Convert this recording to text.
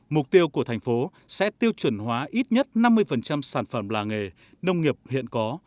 mục tiêu của thành phố sẽ tiêu chuẩn hóa ít nhất năm mươi sản phẩm làng nghề nông nghiệp hiện có